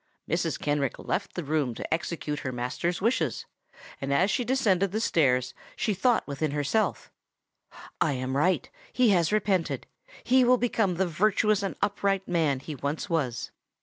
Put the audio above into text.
Mrs. Kenrick left the room to execute her master's wishes; and, as she descended the stairs, she thought within herself, "I am right! he has repented: he will become the virtuous and upright man he once was!"